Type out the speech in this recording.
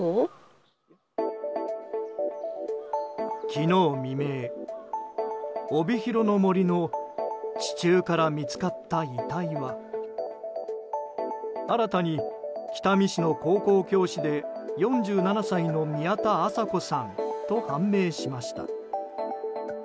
昨日未明、帯広の森の地中から見つかった遺体は新たに北見市の高校教師で４７歳の宮田麻子さんと判明しました。